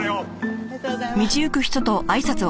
ありがとうございます。